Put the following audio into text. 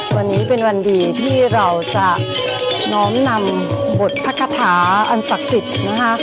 วันนี้เป็นวันดีที่เราจะน้อมนำบทพระคาถาอันศักดิ์สิทธิ์นะคะ